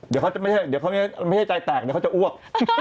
เดี๋ยวก็จะไม่ให้ใจแตกเดี๋ยวก็จะอ้วก